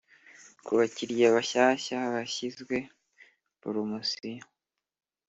Ku bakiriya bashyashya bashyizwe polomosiyo.